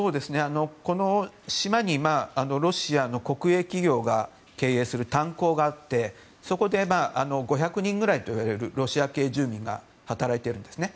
この島にロシアの国営企業が経営する炭鉱があってそこで５００人くらいといわれるロシア系住民が働いているんですね。